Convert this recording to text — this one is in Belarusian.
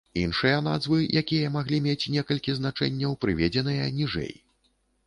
Іншыя назвы, якія маглі мець некалькі значэнняў, прыведзеныя ніжэй.